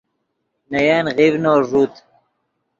نے ین غیڤنو ݱوت